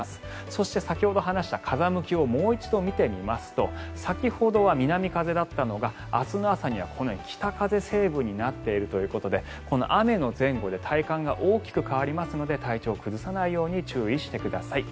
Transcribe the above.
そして、先ほど話した風向きをもう一度見てみますと先ほどは南風だったのが明日の朝にはこのように北風成分になっているということでこの雨の前後で体感が大きく変わりますので体調を崩さないように注意してください。